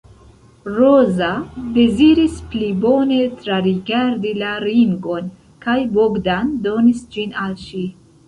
Roza deziris pli bone trarigardi la ringon kaj Bogdan donis ĝin al ŝi.